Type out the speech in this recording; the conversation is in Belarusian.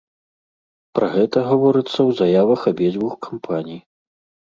Пра гэта гаворыцца ў заявах абедзвюх кампаній.